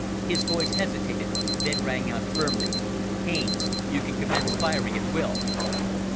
His voice hesitated, then rang out firmly, "Haines, you can commence firing at will!"